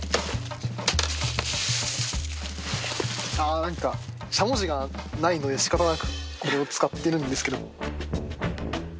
あ何かしゃもじがないので仕方なくこれを使ってるんですけど。